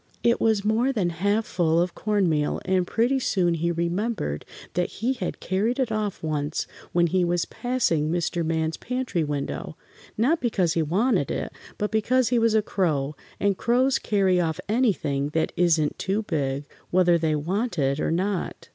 It was more than half full of corn meal, and pretty soon he remembered that he had carried it off once when he was passing Mr. Man's pantry window, not because he wanted it, but because he was a crow, and crows carry off anything that isn't too big, whether they want it or not.